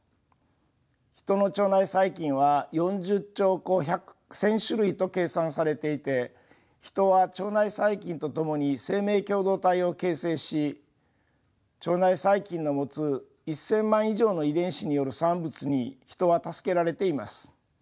ヒトの腸内細菌は４０兆個１，０００種類と計算されていてヒトは腸内細菌と共に生命共同体を形成し腸内細菌の持つ１，０００万以上の遺伝子による産物にヒトは助けられています。